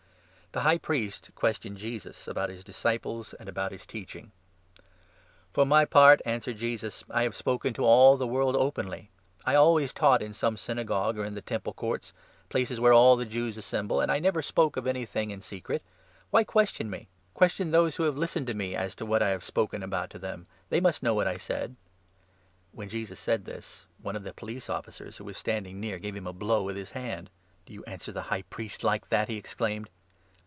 The High Priest questioned Jesus about his 19 Jesus ,.• i &. i_ , i •,.• before the disciples and about his teaching. High priest. " For my part," answered Jesus, "I have 20 spoken to all the world openly. I always taught in some Synagogue, or in the Temple Courts, places where all the Jews assemble, and I never spoke of anything in secret. Why 21 question me ? Question those who have listened to me as H* UMIAK? tlrftTt TKACH«R» HAWTA »ARBA*A 202 JOHN, 18. to what I have spoken about to them. They must know what I said." When Jesus said this, one of the police officers, who was 22 standing near, gave him a blow with his hand. " Do you answer the High Priest like that? " he exclaimed.